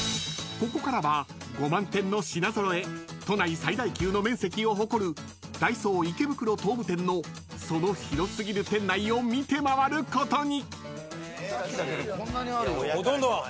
［ここからは５万点の品揃え都内最大級の面積を誇るＤＡＩＳＯ池袋東武店のその広過ぎる店内を見て回ることに］